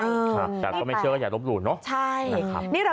แต่ถ้าเขาไม่เชื่อก็อย่ารบหลุนเนอะนั่นครับ